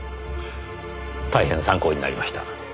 大変参考になりました。